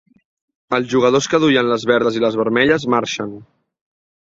Els jugadors que duien les verdes i les vermelles marxen.